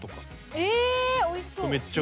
えおいしそう！